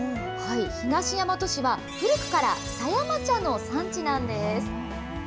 東大和市は、古くから狭山茶の産地なんです。